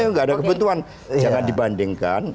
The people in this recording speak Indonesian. ya nggak ada kebuntuan jangan dibandingkan